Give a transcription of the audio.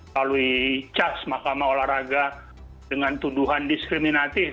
lalu di cas mahkamah olahraga dengan tuduhan diskriminatif